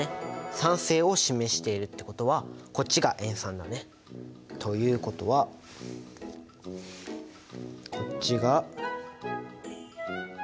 酸性を示しているってことはこっちが塩酸だね。ということはこっちが。